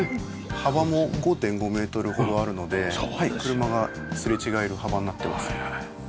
幅も５．５メートルほどあるので車がすれ違える幅になってますね。